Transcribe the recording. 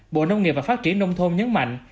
bộ nông nghiệp và phát triển nông thôn nhấn mạnh